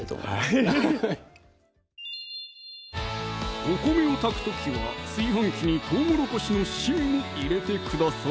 ヘヘヘお米を炊く時は炊飯器にとうもろこしの芯も入れてください